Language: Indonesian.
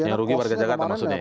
yang rugi warga jakarta maksudnya ya